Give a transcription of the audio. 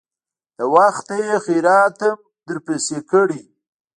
د وخته يې خيراتم درپسې کړى.